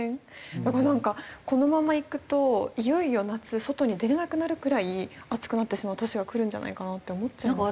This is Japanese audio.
だからなんかこのままいくといよいよ夏外に出られなくなるくらい暑くなってしまう年がくるんじゃないかなって思っちゃいますよね。